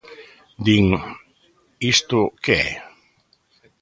Din: Isto que é?